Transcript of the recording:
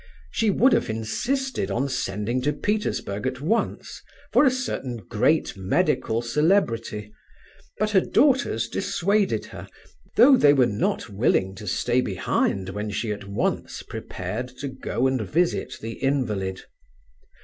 She would have insisted on sending to Petersburg at once, for a certain great medical celebrity; but her daughters dissuaded her, though they were not willing to stay behind when she at once prepared to go and visit the invalid.